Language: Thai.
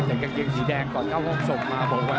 กางเกงสีแดงก่อนเข้าห้องส่งมาบอกว่า